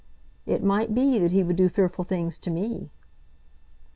"It might be that he would do fearful things to me."